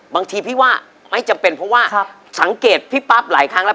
บางทีพี่ว่าไม่จำเป็นเพราะว่าสังเกตพี่ปั๊บหลายครั้งแล้ว